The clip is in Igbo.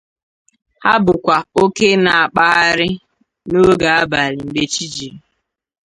Ha bụkwa oke na akpagharị n’oge abalị mgbe chi jiri